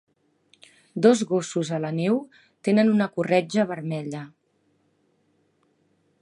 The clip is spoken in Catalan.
Dos gossos a la neu tenen una corretja vermella